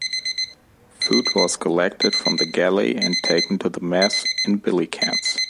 Food was collected from the galley and taken to the mess in "billy cans".